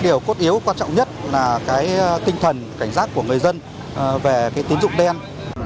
điều cốt yếu quan trọng nhất là cái tinh thần cảnh giác của người dân về tín dụng đen